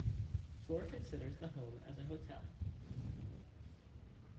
Flore considers the home as a hotel.